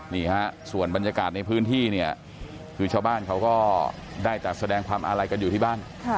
นี่ฮะส่วนบรรยากาศในพื้นที่เนี่ยคือชาวบ้านเขาก็ได้จัดแสดงความอาลัยกันอยู่ที่บ้าน